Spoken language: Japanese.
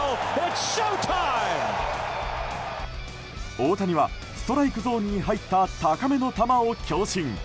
大谷はストライクゾーンに入った高めの球を強振。